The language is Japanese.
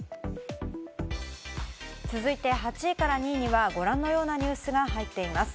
続いて８位から２位にはご覧のようなニュースが入っています。